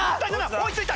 追いついた！